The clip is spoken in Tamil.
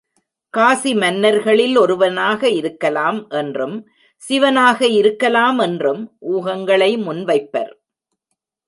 காசி மன்னர்களில் ஒருவனாக இருக்கலாம் என்றும் சிவனாக இருக்கலாமென்றும் ஊகங்களை முன்வைப்பர்.